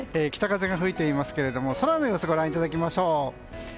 北風が吹いていますが空の様子をご覧いただきましょう。